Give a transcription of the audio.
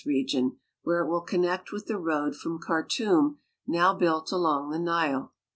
region, where it will connect with the road from Khartum now built along the Nile.